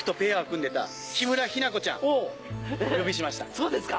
そうですか。